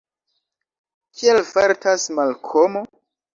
Kiel fartas Malkomo?